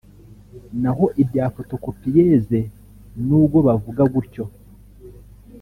naho ibya fotokopiyeze n’ubwo bavuga gutyo